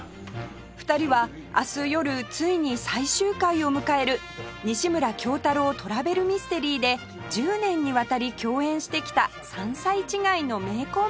２人は明日夜ついに最終回を迎える『西村京太郎トラベルミステリー』で１０年にわたり共演してきた３歳違いの名コンビ